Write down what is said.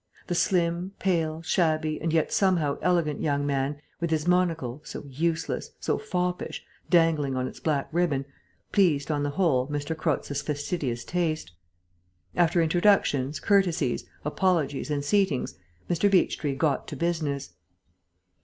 The slim, pale, shabby and yet somehow elegant young man, with his monocle, so useless, so foppish, dangling on its black ribbon, pleased, on the whole, M. Croza's fastidious taste. After introductions, courtesies, apologies, and seatings, Mr. Beechtree got to business.